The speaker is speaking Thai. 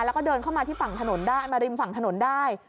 แล้วก็เดินเข้ามาที่ฝั่งถนนได้มาริมฝั่งถนนได้